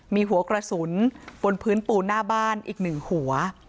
มีหัวกระสุนบนพื้นปูนหน้าบ้านอีกหนึ่งหัว